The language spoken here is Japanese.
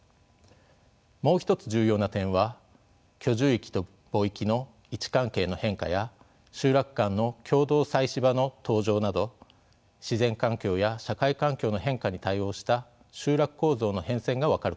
もう一つ重要な点は居住域と墓域の位置関係の変化や集落間の共同祭祀場の登場など自然環境や社会環境の変化に対応した集落構造の変遷が分かることです。